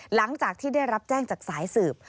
หลังจากที่ได้รับแจ้งจากสายสืบ